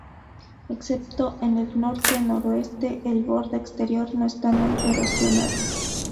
Excepto en el norte-noroeste, el borde exterior no está muy erosionado.